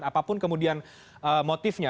apapun kemudian motifnya